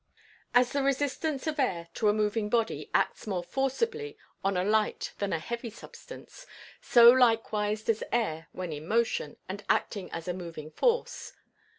As the resistance of air to a moving body acts more forcibly on a light than a heavy substance, so likewise does air when in motion and acting as a moving force.